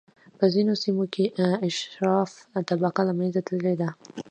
په ځینو سیمو کې اشراف طبقه له منځه تللې ده.